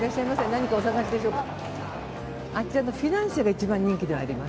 何かお探しでしょうか。